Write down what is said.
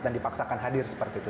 dan dipaksakan hadir seperti itu